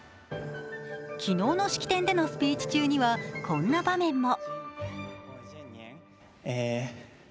昨日の式典でのスピーチ中にはこんな場面も。